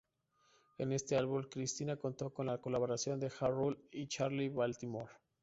En este álbum Christina contó con la colaboración de Ja Rule y Charli Baltimore.